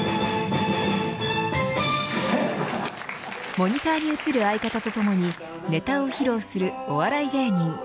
モニターに映る相方と共にネタを披露するお笑い芸人。